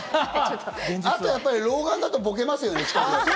あと、老眼だとボケますよね。